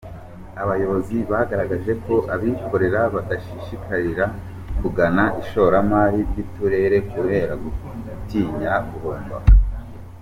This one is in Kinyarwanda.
Abayobozi bagaragaje ko abikorera badashishikarira kugana ishoramari ry’uturere kubera gutinya guhomba.